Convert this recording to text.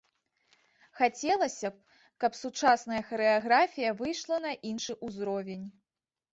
Хацелася б, каб сучасная харэаграфія выйшла на іншы ўзровень.